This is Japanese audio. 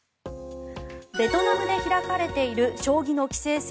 ベトナムで開かれている将棋の棋聖戦